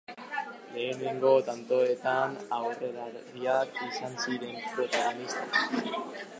Lehenengo tantoetan aurrelariak izan ziren protagonistak.